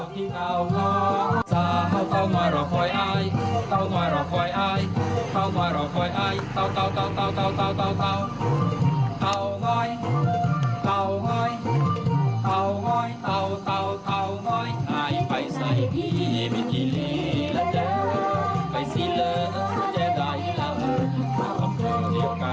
กลับทุกคนพร้อมท่าค่าที่พิโรธ